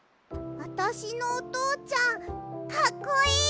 あたしのおとうちゃんかっこいい？